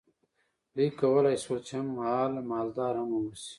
دوی کولی شول چې هم مهاله مالدار هم واوسي.